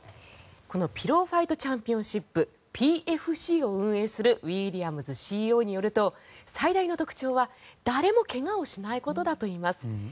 このピロー・ファイト・チャンピオンシップＰＦＣを運営するウィリアムズＣＥＯによると最大の特徴は誰も怪我をしないことだといいます。